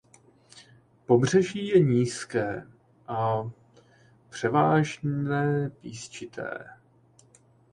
Pobřeží je nízké a převážné písčité.